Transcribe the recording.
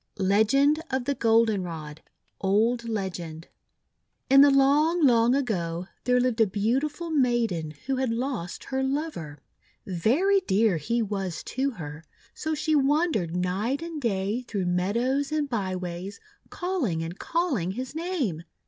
LEGEND OF THE GOLDENROD Old Legend IN the long, long ago, there lived a beautiful maiden who had lost her lover. Very dear he was to her; so she wandered night and day through meadows and by ways calling and call ing his name.